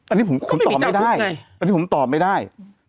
อันนี้ผมตอบไม่ได้